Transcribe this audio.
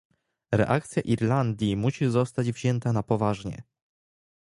Reakcja Irlandii musi zostać wzięta na poważnie